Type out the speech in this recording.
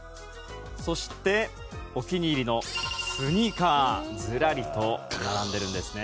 「そしてお気に入りのスニーカー」「ズラリと並んでるんですね」